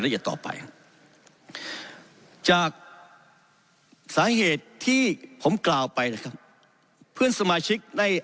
ต่อไปจากสาเหตุที่ผมกล่าวไปนะครับเพื่อนสมาชิกได้